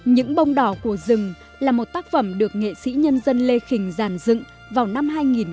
những bông đỏ của rừng là một tác phẩm được nghệ sĩ nhân dân lê khình giản dựng vào năm hai nghìn bốn